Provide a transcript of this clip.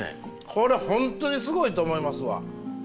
これ本当にすごいと思いますわ。